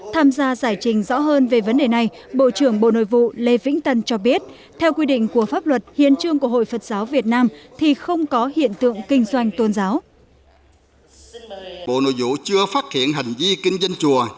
tham gia giải trình rõ hơn về vấn đề này bộ trưởng bộ nội vụ lê vĩnh tân cho biết theo quy định của pháp luật hiến trương của hội phật giáo việt nam thì không có hiện tượng kinh doanh tôn giáo